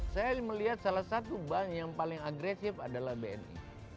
saya melihat salah satu bank yang paling agresif adalah bni